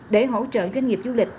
để hỗ trợ doanh nghiệp du lịch